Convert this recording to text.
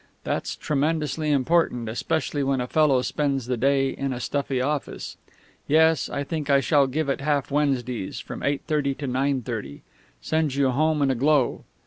That's tremendously important, especially when a fellow spends the day in a stuffy office. Yes, I think I shall give it half Wednesdays, from eight thirty to nine thirty; sends you home in a glow.